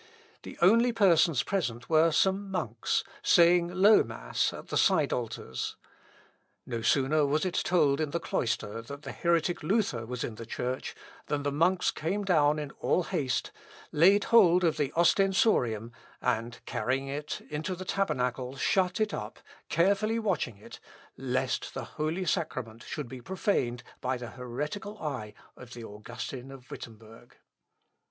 The only persons present were some monks, saying low mass at the side altars. No sooner was it told in the cloister that the heretic Luther was in the church than the monks came down in all haste, laid hold of the ostensorium, and carrying it into the tabernacle shut it up, carefully watching it, lest the holy sacrament should be profaned by the heretical eye of the Augustin of Wittemberg.